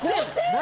何？